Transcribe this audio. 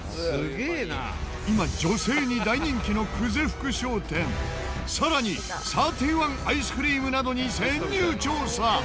今女性に大人気の久世福商店さらにサーティワンアイスクリームなどに潜入調査！